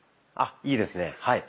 あいいですね。